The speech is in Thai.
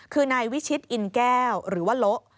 คือนายวิชิตอินแก้วหรือว่าโละ